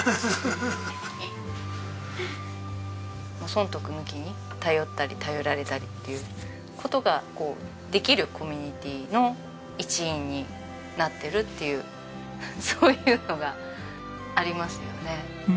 損得抜きに頼ったり頼られたりっていう事ができるコミュニティーの一員になってるっていうそういうのがありますよね。